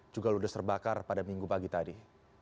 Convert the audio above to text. juga ludes terbakar pada minggu pagi tadi